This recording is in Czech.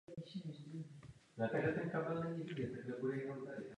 Ve smlouvě o dílo je nutné pojem hrubé stavby přesně specifikovat.